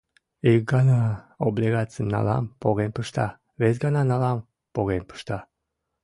Ик гана облигацым налам — поген пышта, вес гана налам — поген пышта.